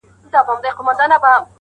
په ژورو کي غځېږي تل-